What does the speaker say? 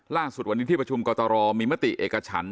ล่างสุดวันนี้ที่ประชูกวิบัตร์กรตรอมมิมติเอกชัน